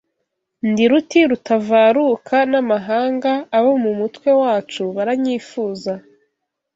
Ndi Ruti rutavaruka n'amahanga, abo mu mutwe wacu baranyifuza